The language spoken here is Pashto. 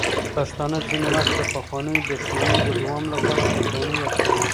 پښتانه ځینې وخت د پخوانیو دښمنیو د دوام لپاره قربانۍ ورکوي.